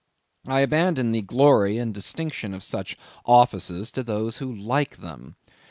I abandon the glory and distinction of such offices to those who like them.